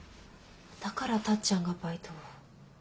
だからタッちゃんがバイトを。